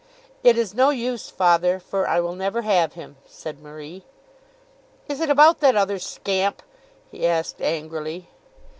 "It is no use, father, for I will never have him," said Marie. "Is it about that other scamp?" he asked angrily.